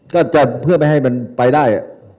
ก็จะเพื่อไม่ให้มันไปได้